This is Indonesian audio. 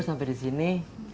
udah sampe disini